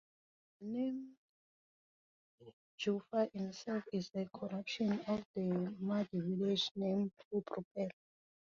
The name Dufile itself is a corruption of the Madi village name Odrupele.